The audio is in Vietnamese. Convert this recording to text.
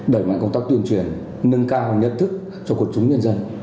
đẩy mạnh công tác tuyên truyền nâng cao nhận thức cho cuộc chúng nhân dân